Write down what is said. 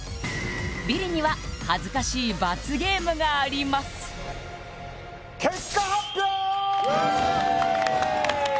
ビリには恥ずかしい罰ゲームがあります結果発表！